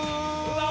うわ！